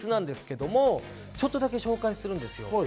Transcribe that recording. ちょっとだけ紹介するんですよ。